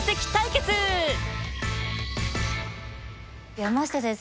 山下先生